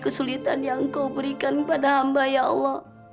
kemuliaan yang kau berikan kepada hamba ya allah